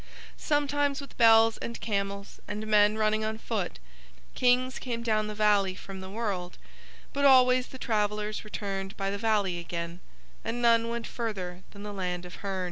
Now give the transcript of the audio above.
Sometimes with bells and camels and men running on foot, Kings came down the valley from the world, but always the travellers returned by the valley again and none went further than the land of Hurn.